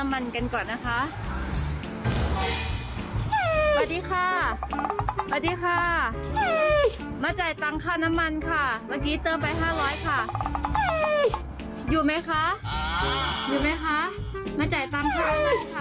ไม่มีใจตังค์ค่าน้ำมันค่ะไม่อยู่หรอ